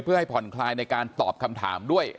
เพื่อให้ผ่อนคลายในการตอบคำถามด้วย